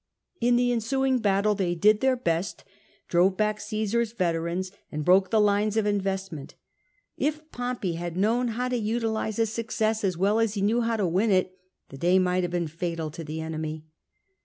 In the ensuing battle they did their best, drove back Caesar's veterans, and broke the lines of investment. If Pompey had known how to utilise a success as well as he knew how to win it, the day might have been fatal to the enemy.